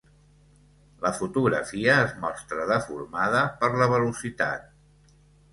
La fotografia es mostra deformada per la velocitat.